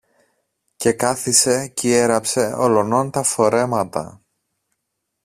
και καθησε κι έραψε ολονών τα φορέματα.